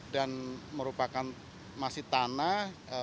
dan merupakan masih tanah